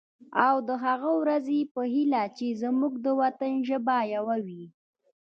او د هغه ورځې په هیله چې زمونږ د وطن ژبه یوه وي.